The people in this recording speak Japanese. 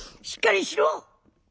しっかりしろ」。